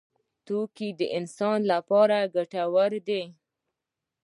توکي د انسان لپاره ګټور دي.